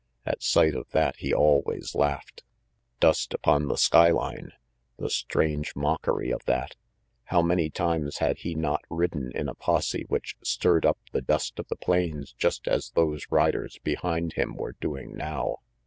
At sight of that he always laughed. Dust upon the skyline! The strange mockery of that! How many times had he not ridden in i posse which stirred up the dust of the plains just as those riders behind him were doing now?